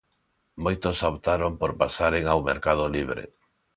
Moitos xa optaron por pasaren ao mercado libre.